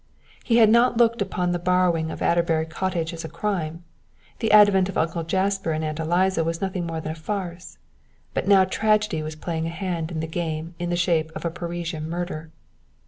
He had not looked upon the borrowing of Adderbury Cottage as a crime; the advent of Uncle Jasper and Aunt Eliza was nothing more than a farce but now tragedy was playing a hand in the game in the shape of a Parisian murder.